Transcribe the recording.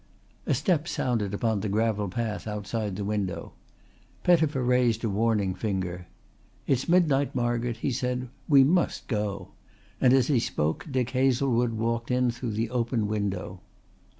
A step sounded upon the gravel path outside the window. Pettifer raised a warning finger. "It's midnight, Margaret," he said. "We must go"; and as he spoke Dick Hazlewood walked in through the open window.